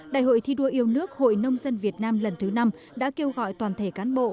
đại hội thi đua yêu nước hội nông dân việt nam lần thứ năm đã kêu gọi toàn thể cán bộ